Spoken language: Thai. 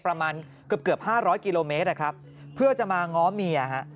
ประมาณเกือบ๕๐๐กิโลเมตรครับเพื่อจะมาง้อเมียครับ